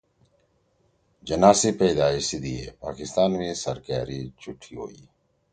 جناح سی پیدائش سی دِی ئے پاکستان می سرکأری چُھٹی ہوئی